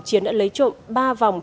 chiến đã lấy trộm ba vòng